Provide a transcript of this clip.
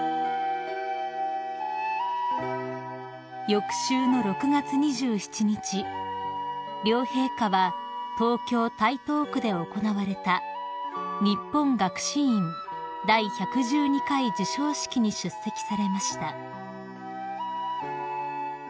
［翌週の６月２７日両陛下は東京台東区で行われた日本学士院第１１２回授賞式に出席されました］